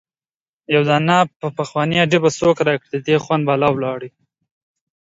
يو دانه پخوانۍ ايډي به څوک را کړي د دې خوند بالا ولاړی